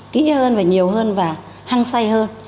kỹ hơn và nhiều hơn và hăng say hơn